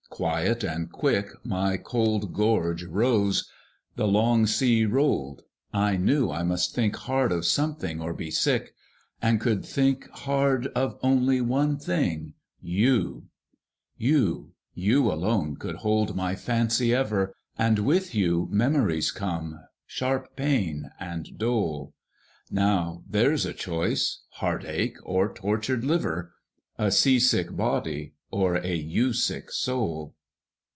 Quiet and quick My cold gorge rose; the long sea rolled; I knew I must think hard of something, or be sick; And could think hard of only one thing YOU! You, you alone could hold my fancy ever! And with you memories come, sharp pain, and dole. Now there's a choice heartache or tortured liver! A sea sick body, or a you sick soul!